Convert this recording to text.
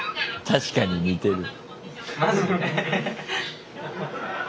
確かに似てる。